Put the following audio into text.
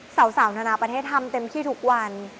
สาวนานาประเทศทำเต็มที่ทุกวัน